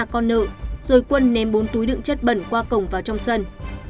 lấy nhà con nợ rồi quân ném bốn túi đựng chất bẩn qua cổng vào trong sân